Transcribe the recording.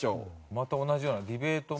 また同じようなディベート。